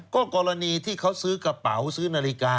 ก็กรณีที่เขาซื้อกระเป๋าซื้อนาฬิกา